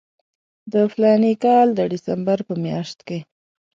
د فلاني کال د ډسمبر په میاشت کې.